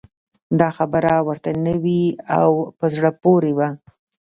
دا خبره ورته نوې او په زړه پورې وه.